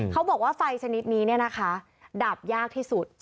เขาบอกว่าไฟชนิดนี้เนี่ยนะคะดับยากที่สุด